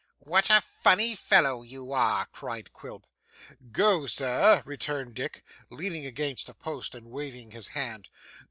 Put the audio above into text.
'What a funny fellow you are!' cried Quilp. 'Go, Sir,' returned Dick, leaning against a post and waving his hand.